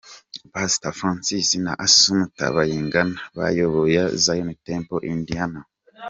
Pastori Francois na Assumpta Bayingana bayoboye Zion Temple Indiana.